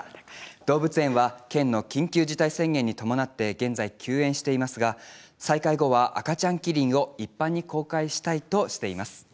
動物園は県の緊急事態宣言に伴って現在、休園していますが、再開後は赤ちゃんキリンを一般に公開したいとしています。